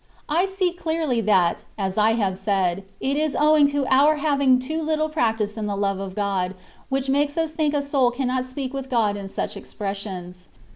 I see clearly, that (as I have said) it is owing to our having too little practice in the love of God, which makes us think a soul cannot speak with God in such expressions.